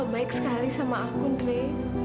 dia rajin banget ndre